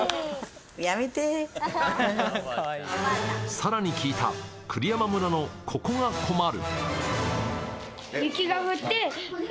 さらに聞いた、栗山村のココが困る！！